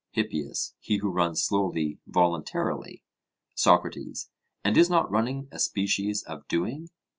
HIPPIAS: He who runs slowly voluntarily. SOCRATES: And is not running a species of doing?